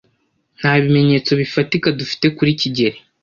Nta bimenyetso bifatika dufite kuri kigeli.